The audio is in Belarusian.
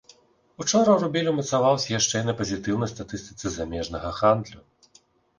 Учора рубель умацаваўся шчэ й на пазітыўнай статыстыцы замежнага гандлю.